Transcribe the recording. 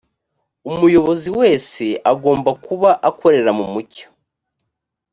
umuyobozi wese agomba kuba akorera mu mucyo